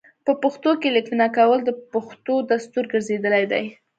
په پښتو کې لیکنه کول د پښتنو دستور ګرځیدلی دی.